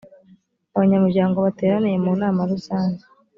abanyamuryango bateraniye mu nama rusange